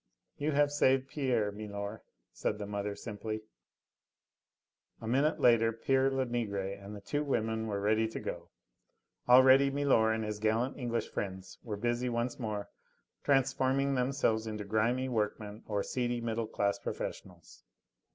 "You have saved Pierre, milor," said the mother simply. A minute later pere Lenegre and the two women were ready to go. Already milor and his gallant English friends were busy once more transforming themselves into grimy workmen or seedy middle class professionals.